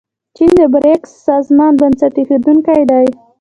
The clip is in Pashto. چین د بریکس سازمان بنسټ ایښودونکی دی.